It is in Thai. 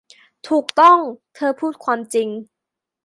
ถูกต้อง เธอพูดความจริง